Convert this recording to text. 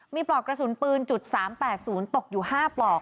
มีปลอกกระสุนปืน๓๘๐ตกอยู่๕ปลอก